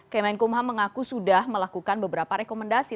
kmnkum ham mengaku sudah melakukan beberapa rekomendasi